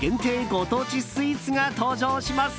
ご当地スイーツが登場します。